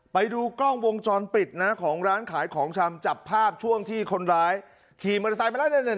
ไปดูกล้องวงจรปิดของร้านขายของช่ำจับภาพช่วงที่คนร้ายขี่มือสายไปแล้ว